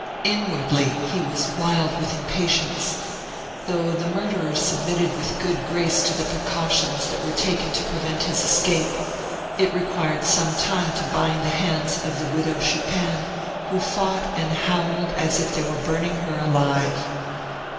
Inwardly he was wild with impatience. Though the murderer submitted with good grace to the precautions that were taken to prevent his escape, it required some time to bind the hands of the Widow Chupin, who fought and howled as if they were burning her alive.